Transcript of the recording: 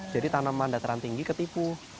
jadi tanaman dataran tinggi ketipu